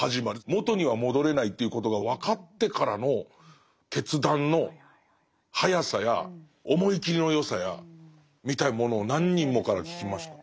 元には戻れないということが分かってからの決断の早さや思い切りの良さやみたいなものを何人もから聞きました。